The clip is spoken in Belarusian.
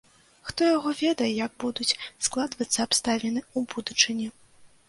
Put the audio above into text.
Хто яго ведае, як будуць складвацца абставіны ў будучыні.